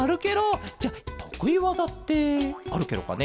じゃあとくいわざってあるケロかね？